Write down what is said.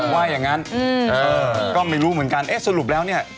ว่าอย่างนั้นก็ไม่รู้เหมือนกันเอ๊ะสรุปแล้วเนี่ย